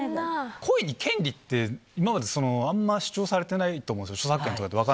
声に権利って、今まであんま主張されてないと思うんですよ、確かに。